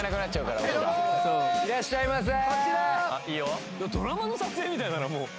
いらっしゃいませー！